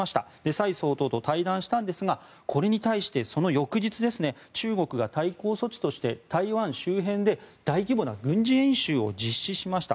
蔡総統と対談したんですがこれに対してその翌日、中国が対抗措置として台湾周辺で、大規模な軍事演習を実施しました。